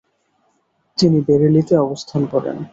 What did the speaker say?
তিনি বেরেলিতে অবস্থান করেন।